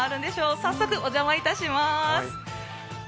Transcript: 早速、お邪魔いたします。